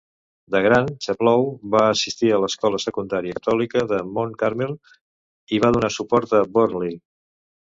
De gran, Chaplow va assistir a l'escola secundària catòlica de Mount Carmel i va donar suport a Burnley.